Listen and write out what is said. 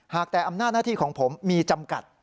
แต่อำนาจหน้าที่ของผมมีจำกัด